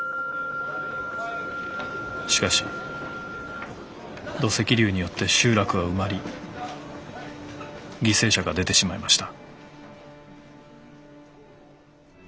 しかし土石流によって集落は埋まり犠牲者が出てしまいました。